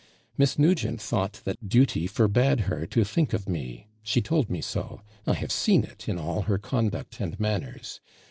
Miss Nugent thought that duty forbad her to think of me; she told me so: I have seen it in all her conduct and manners.